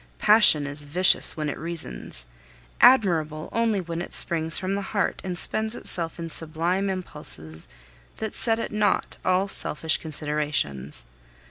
Passion is vicious when it reasons, admirable only when it springs from the heart and spends itself in sublime impulses that set at naught all selfish considerations.